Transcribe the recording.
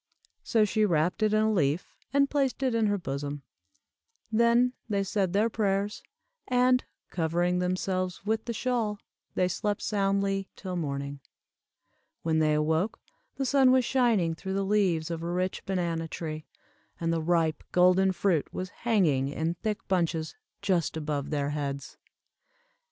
So she wrapped it in a leaf, and placed it in her bosom. Then they said their prayers, and, covering themselves with the shawl, they slept soundly till morning. When they awoke, the sun was shining through the leaves of a rich banana tree, and the ripe golden fruit was hanging in thick bunches just above their heads.